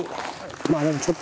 まあでもちょっと。